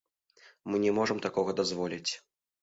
Мы не можам такога дазволіць.